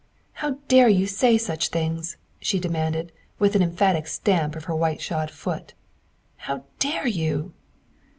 " How dare you say such things?" she demanded, with an emphatic stamp of her white shod foot, " how dare you?"